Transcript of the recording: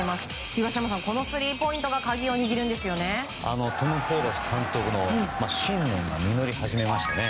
東山さん、このスリーポイントが鍵を握るんですよね。